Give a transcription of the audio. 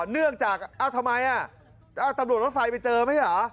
เนื่องจากทำไมอ่ะตำรวจรถไฟไปเจอครับ